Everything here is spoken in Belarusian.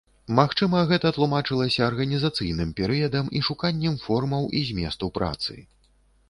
Магчыма, гэта тлумачылася арганізацыйным перыядам і шуканнем формаў і зместу працы.